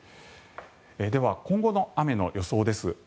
では、今後の雨の予想です。